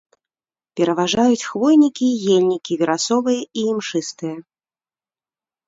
Пераважаюць хвойнікі і ельнікі верасовыя і імшыстыя.